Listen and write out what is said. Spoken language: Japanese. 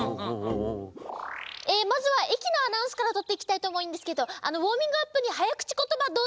えまずはえきのアナウンスからとっていきたいとおもうんですけどウォーミングアップにはやくちことばどうぞ。